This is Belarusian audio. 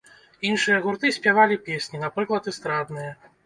Іншыя гурты спявалі песні, напрыклад, эстрадныя.